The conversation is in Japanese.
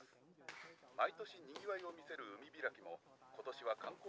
「毎年にぎわいを見せる海びらきも今年はかん光